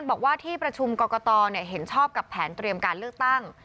บอกว่าที่ประชุมกรกตเห็นชอบกับแผนเตรียมการเลือกตั้ง